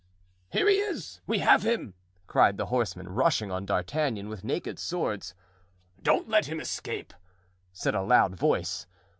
"Here he is! we have him!" cried the horsemen, rushing on D'Artagnan with naked swords. "Don't let him escape!" said a loud voice.